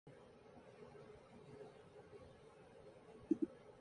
wanawake katika kaunti hiyo Mwanakombo Jarumani amewataka wazazi kuwalinda wanao